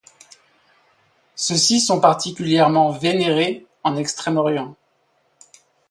Ceux-ci sont particulièrement vénérés en extrême-orient.